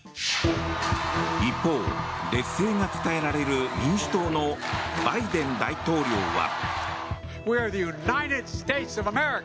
一方、劣勢が伝えられる民主党のバイデン大統領は。